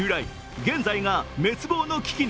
現在が滅亡の危機に。